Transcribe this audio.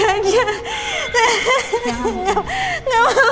saya tidak mau